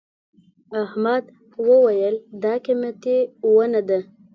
احمد وويل: دا قيمتي ونه ده.